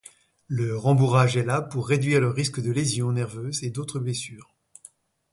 Le rembourrage est là pour réduire le risque de lésions nerveuses et d'autres blessures.